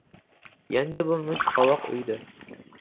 Yanga bo‘lmish qoboq uydi…